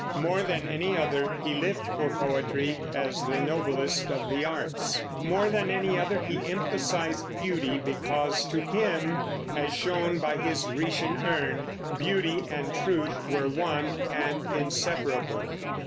More than any other he lived for poetry, as the noblest of the arts. More than any other he emphasized beauty, because to him, as shown by his "Grecian Urn," beauty and truth were one and inseparable.